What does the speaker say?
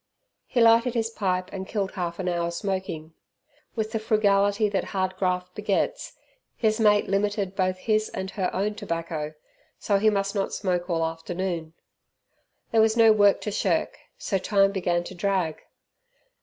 He lighted his pipe and killed half an hour smoking. With the frugality that hard graft begets, his mate limited both his and her own tobacco, so he must not smoke all afternoon. There was no work to shirk, so time began to drag.